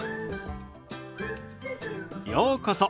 ようこそ。